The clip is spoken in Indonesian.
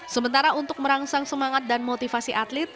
sementara untuk merangsang semangat dan motivasi atlet